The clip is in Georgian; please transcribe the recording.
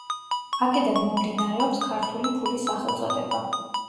აქედან მომდინარეობს ქართული ფულის სახელწოდება.